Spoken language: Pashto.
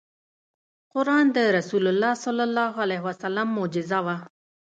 قرآن د رسول الله ص معجزه وه .